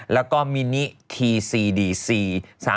แล้วก็มินิคีซีดีซี